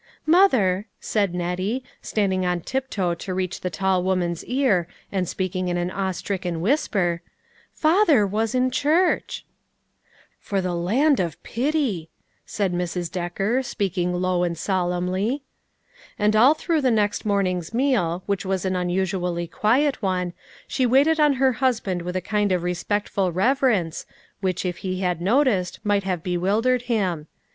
"^" Mother," said Nettie, standing on tiptoe to reach the tall woman's ear, and speaking in an awe stricken whisper, " father was in church !"" For the land of pity !" said Mrs. Becker, Bpeaking low and solemnly. THE CONCERT. 263 And all through the next morning's meal, which was an unusually quiet one, she waited on her husband with a kind of respectful reverence, which if he had noticed, might have bewildered him.